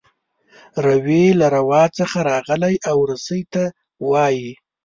روي له روا څخه راغلی او رسۍ ته وايي.